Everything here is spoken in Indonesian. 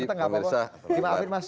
terima kasih mbak mirsa